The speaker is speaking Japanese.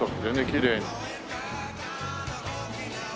きれいに。